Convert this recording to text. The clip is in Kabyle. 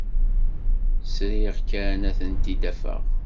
Sriɣ kan ad tent-id-afeɣ.